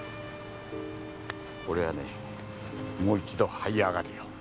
俺はねもう一度這い上がるよ。